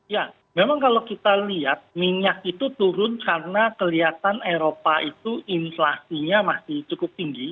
ya memang kalau kita lihat minyak itu turun karena kelihatan eropa itu inflasinya masih cukup tinggi